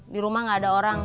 di rumah gak ada orang